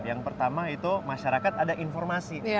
yang pertama itu masyarakat ada informasi